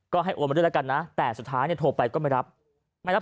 ก็ให้โอนมาด้วยแล้วกันนะแต่สุดท้ายเนี่ยโทรไปก็ไม่รับไม่รับ